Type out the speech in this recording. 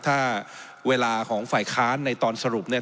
ถ้าเวลาของฝ่ายค้านในตอนสรุปเนี่ย